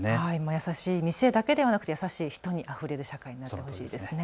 優しい店だけではなく優しい人にあふれる社会になったらいいですね。